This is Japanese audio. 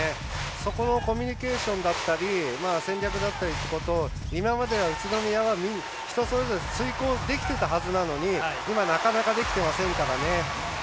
そこのコミュニケーションだったり戦略だったりということを今までは宇都宮は人それぞれ遂行できていたはずなのに今、なかなかできていませんから。